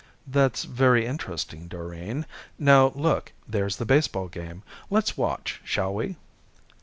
"That's very interesting, Doreen. Now look, there's the baseball game. Let's watch, shall we?"